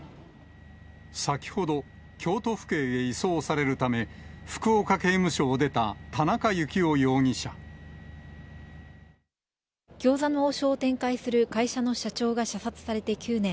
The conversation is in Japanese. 先ほど、京都府警へ移送されるため、餃子の王将を展開する会社の社長が射殺されて９年。